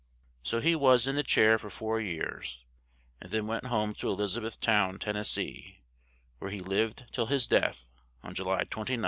So he was in the chair for four years, and then went home to E liz a beth town, Ten nes see, where he lived till his death on Ju ly 29th, 1875.